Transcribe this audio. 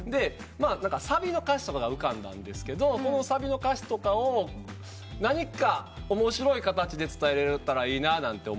サビの歌詞が浮かんだんですがサビの歌詞とかを何か面白い形で伝えられたらいいなと思ってて。